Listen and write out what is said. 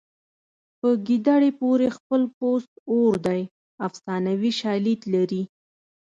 په ګیدړې پورې خپل پوست اور دی افسانوي شالید لري